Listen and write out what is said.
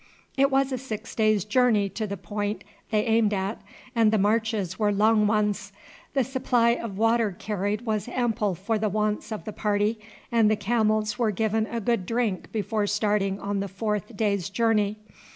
It was a six days' journey to the point they aimed at, and the marches were long ones. The supply of water carried was ample for the wants of the party, and the camels were given a good drink before starting on the fourth day's journey.